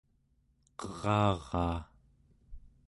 qeraraa